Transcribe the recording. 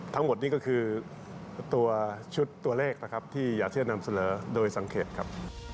ทั้งหมดนี้ก็คือชุดตัวแรกที่อยากเชื่อนนำเสลอโดยสังเกตครับ